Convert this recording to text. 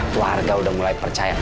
keluarga udah mulai percaya